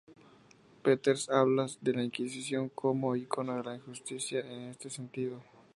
Peters habla de la Inquisición como "icono de la injusticia" en este sentido.